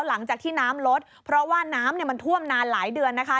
หลังจากที่น้ำลดเพราะว่าน้ำเนี่ยมันท่วมนานหลายเดือนนะคะ